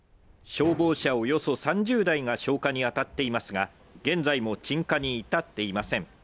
消防車およそ３０台が消火に当たっていますが、現在も鎮火に至っていません。